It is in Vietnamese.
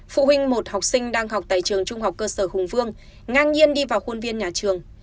phụ huynh một học sinh đang học tại trường trung học cơ sở hùng vương ngang nhiên đi vào khuôn viên nhà trường